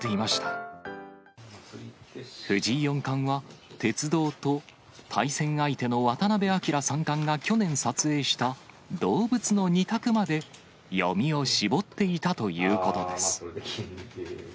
藤井四冠は、鉄道と、対戦相手の渡辺明三冠が去年撮影した動物の２択まで、読みを絞っていたということです。